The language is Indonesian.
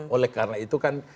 oleh karena itu kan